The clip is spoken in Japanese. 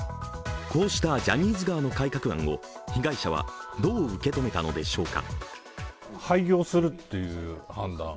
こうしたジャニーズ側の改革案を被害者はどう受け止めたのでしょうか。